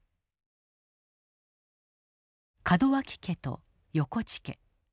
門脇家と横地家。